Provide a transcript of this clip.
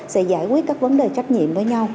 sẽ giải quyết các vấn đề trách nhiệm với nhau